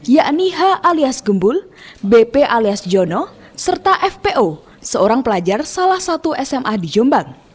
yakni h alias gembul bp alias jono serta fpo seorang pelajar salah satu sma di jombang